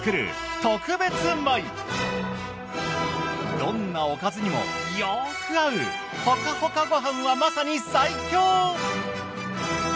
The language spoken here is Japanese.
どんなおかずにもよく合うホカホカごはんはまさに最強！